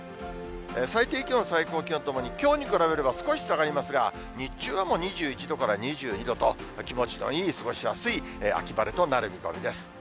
最低気温、最高気温ともに、きょうに比べれば少し下がりますが、日中はもう２１度から２２度と、気持ちのいい、過ごしやすい秋晴れとなる見込みです。